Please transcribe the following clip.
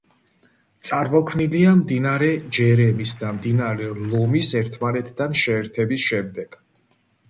წარმოქმნილია მდინარე ჯერემის და მდინარე ლომის ერთმანეთთან შეერთების შემდეგ.